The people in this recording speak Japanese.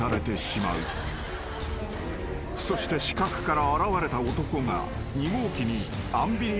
［そして死角から現れた男が弐号機に］